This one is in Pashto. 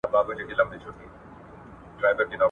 د غاښ درد ژر وګورئ.